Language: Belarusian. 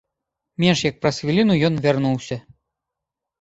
Менш як праз хвіліну ён вярнуўся.